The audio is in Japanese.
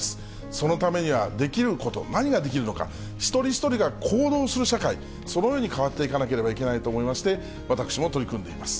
そのためには、できること、何ができるのか、一人一人が行動する社会、そのように変わっていかなければいけないと思いまして、私も取り組んでいます。